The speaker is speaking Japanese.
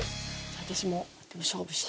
私も勝負して。